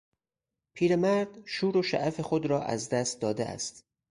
پیرمرد شور و شعف خود را از دست داده است.